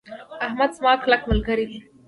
احمد زما کلک ملګری ده.